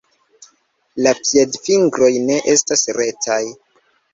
La piedfingroj ne estas retaj.